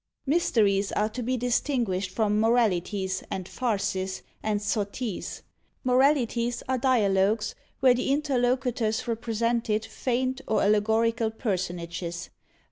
Mysteries are to be distinguished from Moralities, and Farces, and Sotties. Moralities are dialogues where the interlocutors represented feigned or allegorical personages.